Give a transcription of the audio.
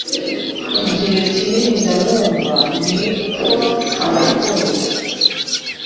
igihe kinini ndamwumva, niko ntamukunda.